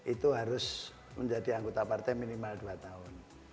itu harus menjadi anggota partai minimal dua tahun